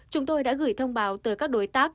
chúng tôi đã gửi thông báo tới các đối tác